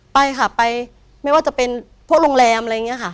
ไปค่ะไปไม่ว่าจะเป็นพวกโรงแรมอะไรอย่างนี้ค่ะ